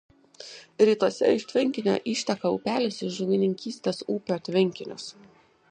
Rytuose iš tvenkinio išteka upelis į žuvininkystės ūkio tvenkinius.